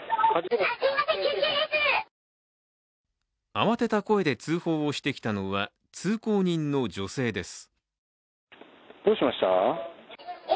慌てた声で通報をしてきたのは通行人の女性です。